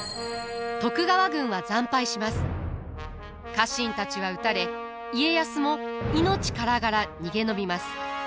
家臣たちは討たれ家康も命からがら逃げ延びます。